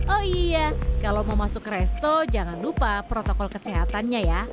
oh iya kalau mau masuk resto jangan lupa protokol kesehatannya ya